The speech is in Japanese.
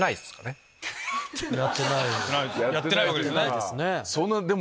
やってないわけですね。